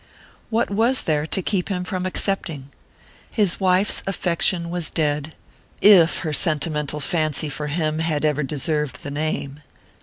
What was there to keep him from accepting? His wife's affection was dead if her sentimental fancy for him had ever deserved the name!